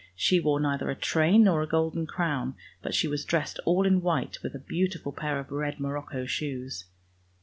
She wore neither a train nor a golden crown, but she was dressed all in white with a beautiful pair of red morocco shoes.